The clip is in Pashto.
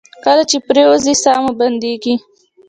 کله چې پریوځئ ساه مو بندیږي؟